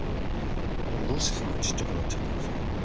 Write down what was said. でもどうしてそんなにちっちゃくなっちゃったんですか？